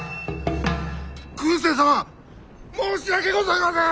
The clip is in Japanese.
空誓様申し訳ございません！